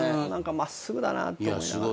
真っすぐだなと思いながらね。